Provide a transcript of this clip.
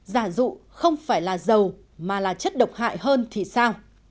giả dụ không phải là dầu mà là chất độc hại hơn thì sao